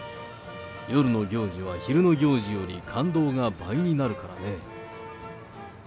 夜の行事は、昼の行事より感動が倍になるからね。